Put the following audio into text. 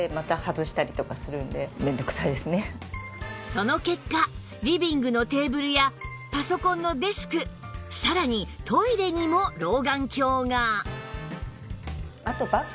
その結果リビングのテーブルやパソコンのデスクさらにトイレにも老眼鏡が